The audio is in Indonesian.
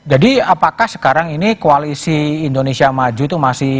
jadi apakah sekarang ini koalisi indonesia maju itu maksudnya